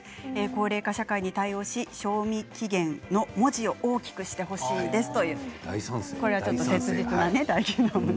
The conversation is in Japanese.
高齢化社会に対応し賞味期限の文字を大きくしてほしいということです。